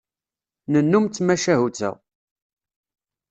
Nennum d tmacahut-a.